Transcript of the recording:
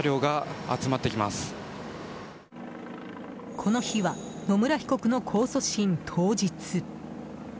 この日は野村被告の控訴審当日。